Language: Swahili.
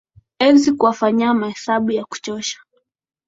ezi kuwafanyia mahesabu ya kuchosha